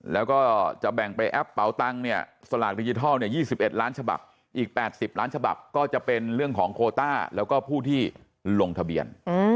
แล้วก็จะแบ่งไปแอปเป่าตังค์เนี่ยสลากดิจิทัล๒๑ล้านฉบับอีก๘๐ล้านฉบับก็จะเป็นเรื่องของโคต้าแล้วก็ผู้ที่ลงทะเบียน